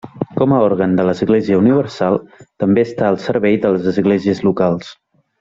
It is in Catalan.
Com a òrgan de l'Església universal, també està al servei de les Esglésies locals.